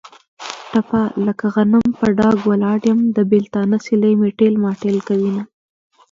ټپه: لکه غنم په ډاګ ولاړ یم. د بېلتانه سیلۍ مې تېل ماټېل کوینه.